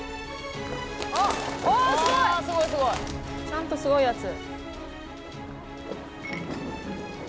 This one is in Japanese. ちゃんとすごいやつ。